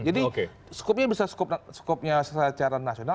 jadi skopnya bisa skop secara nasional